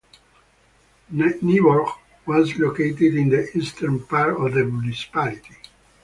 Nyborg was located in the eastern part of the municipality.